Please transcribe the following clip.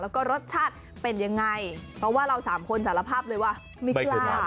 แล้วก็รสชาติเป็นยังไงเพราะว่าเราสามคนสารภาพเลยว่าไม่กล้า